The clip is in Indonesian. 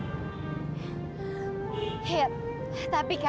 iya tapi kak